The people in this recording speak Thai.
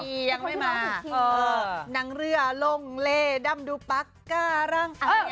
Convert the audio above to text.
พี่ยังไม่มานางเรือลงเลดำดูปั๊กการั้ง